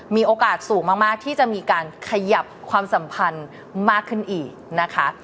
มีโอกาสสูงมากที่จะมีการขยับความสัมพันธ์มากขึ้นอีกนะคะ